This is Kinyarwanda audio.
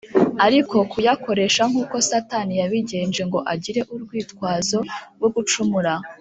, ariko kuyakoresha nkuko Satani yabigenje, ngo agire urwitwazo rwo gucumura